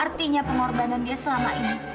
artinya pengorbanan dia selama ini